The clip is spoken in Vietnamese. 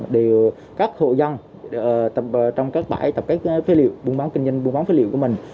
đều các hộ dân tập trong các bãi tập kết phế liệu buôn bán kinh doanh buôn bán phế liệu của mình